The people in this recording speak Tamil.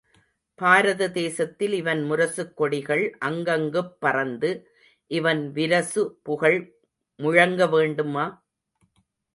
பாரத தேசத்தில் இவன் முரசுக் கொடிகள் அங்கங்குப் பறந்து இவன் விரசு புகழ் முழங்க வேண்டுமா?